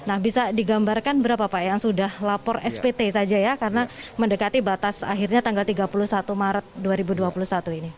nah bisa digambarkan berapa pak yang sudah lapor spt saja ya karena mendekati batas akhirnya tanggal tiga puluh satu maret dua ribu dua puluh satu ini